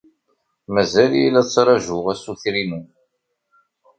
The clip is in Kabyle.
Mazal-iyi la ttṛajuɣ assuter-inu.